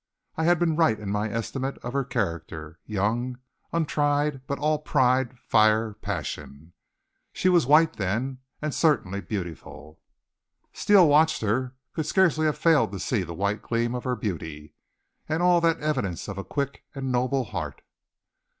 I had been right in my estimate of her character young, untried, but all pride, fire, passion. She was white then, and certainly beautiful. Steele watched her, could scarcely have failed to see the white gleam of her beauty, and all that evidence of a quick and noble heart.